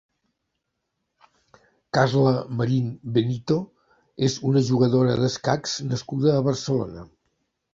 Carla Marín Benito és una jugadora d'escacs nascuda a Barcelona.